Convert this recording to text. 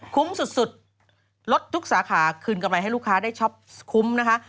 สุดลดทุกสาขาคืนกำไรให้ลูกค้าได้ช็อปคุ้มนะคะ